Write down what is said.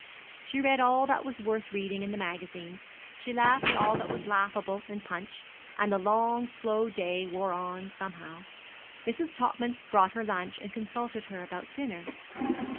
She read all that was worth reading in the magazines, she laughed at all that was laughable in Punch, and the long, slow day wore on somehow. Mrs. Topman brought her lunch, and consulted her about dinner.